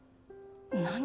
何？